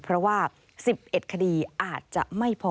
เพราะว่า๑๑คดีอาจจะไม่พอ